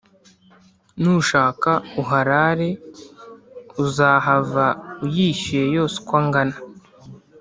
Nushaka uharare uzahava uyishyuye yose uko angana